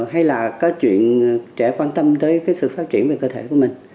hay là có chuyện trẻ quan tâm tới cái sự phát triển về cơ thể của mình